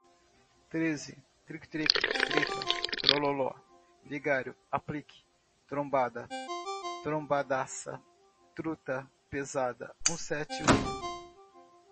treze, tric-tric, tripa, trololó, vigário, aplique, trombada, trombadaça, truta, pesada, um sete um